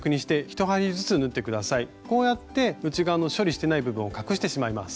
こうやって内側の処理してない部分を隠してしまいます。